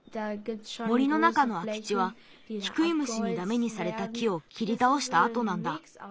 森の中のあきちはキクイムシにダメにされた木をきりたおしたあとなんだ。